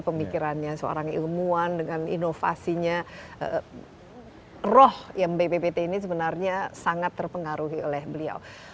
pemikirannya seorang ilmuwan dengan inovasinya roh yang bppt ini sebenarnya sangat terpengaruhi oleh beliau